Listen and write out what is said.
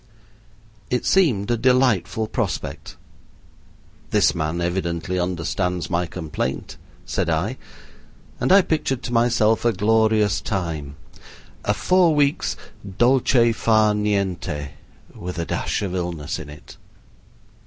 It seemed a delightful prospect. "This man evidently understands my complaint," said I, and I pictured to myself a glorious time a four weeks' dolce far niente with a dash of illness in it.